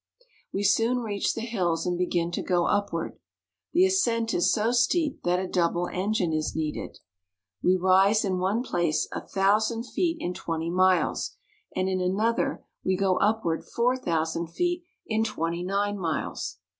We soon reach the hills, and begin to go upward. The ascent is so steep that a double engine is needed. We rise in one place a thousand feet in twenty miles, and in another we |.^ A Double Engine. 332 MEXICO. go upward four thousand feet in twenty nine miles.